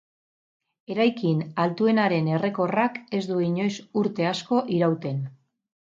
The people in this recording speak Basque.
Eraikin altuenaren errekorrak ez du inoiz urte asko irauten.